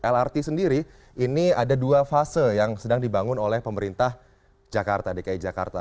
lrt sendiri ini ada dua fase yang sedang dibangun oleh pemerintah jakarta dki jakarta